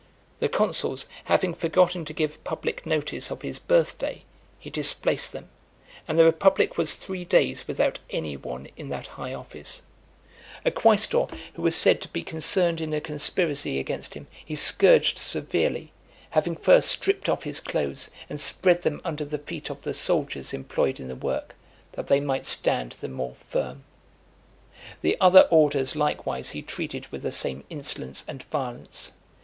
The consuls having forgotten to give public notice of his birth day, he displaced them; and the republic was three days without any one in that high office. A quaestor who was said to be concerned in a conspiracy against him, he scourged severely, having first stripped off his clothes, and spread them under the feet of the soldiers employed in the work, that they might stand the more firm. The other orders likewise he treated with the same insolence and violence.